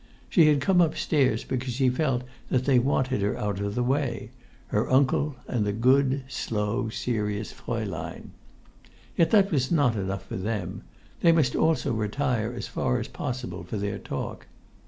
She had come upstairs because she felt that they wanted her out of the way, her uncle and the good, slow, serious Fraulein. Yet that was not enough for them: they also must retire as far as possible for their talk.